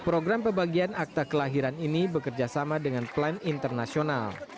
program pembagian akta kelahiran ini bekerjasama dengan plan internasional